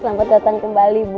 selamat datang kembali bu